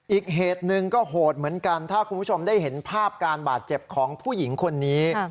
อีกเหตุหนึ่งก็โหดเหมือนกันถ้าคุณผู้ชมได้เห็นภาพการบาดเจ็บของผู้หญิงคนนี้